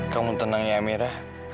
kamu tenang ya amira